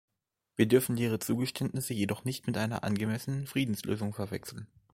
Wir dürfen leere Zugeständnisse jedoch nicht mit einer angemessenen Friedenslösung verwechseln.